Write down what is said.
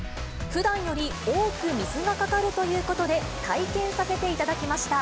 ふだんより多く水がかかるということで、体験させていただきました。